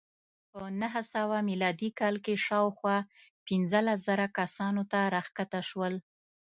په نهه سوه میلادي کال کې شاوخوا پنځلس زره کسانو ته راښکته شول